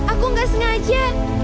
aku tidak sengaja